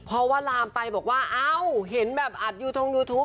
เพราะว่าลามไปบอกว่าเอ้าเห็นแบบอัดยูทงยูทูป